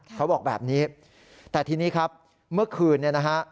เขาบอกแบบนี้แต่ทีนี้ครับเมื่อคืนเนี่ยนะฮะ